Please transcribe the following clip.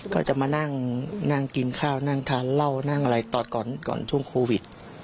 ก็จะมานั่งกินข้าวนั่งทานเหล้านั่งอะไรตอนก่อนช่วงโควิด